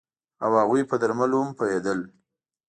او هغوی په درملو هم پوهیدل